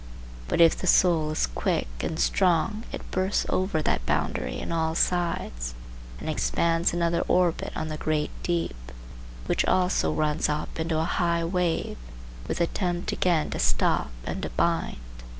But if the soul is quick and strong it bursts over that boundary on all sides and expands another orbit on the great deep, which also runs up into a high wave, with attempt again to stop and to bind.